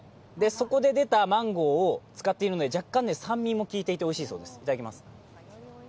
そこで出たマンゴーを使っているので若干、酸味も効いていて、おいしいそうです。